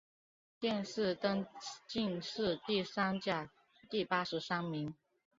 殿试登进士第三甲第八十三名。